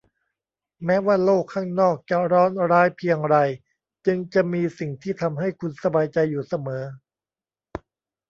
แม้ว่าโลกข้างนอกจะร้อนร้ายเพียงไรจึงจะมีสิ่งที่ทำให้คุณสบายใจอยู่เสมอ